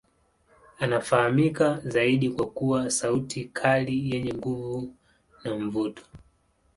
Anafahamika zaidi kwa kuwa sauti kali yenye nguvu na mvuto.